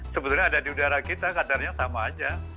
sebetulnya ada di udara kita kadarnya sama aja